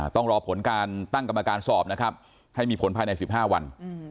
ต้องรอผลการตั้งกรรมการสอบนะครับให้มีผลภายใน๑๕วัน